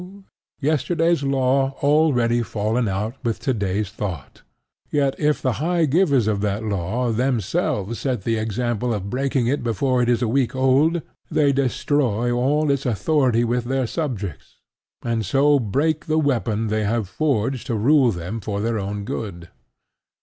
yesterday's law already fallen out with today's thought. Yet if the high givers of that law themselves set the example of breaking it before it is a week old, they destroy all its authority with their subjects, and so break the weapon they have forged to rule them for their own good.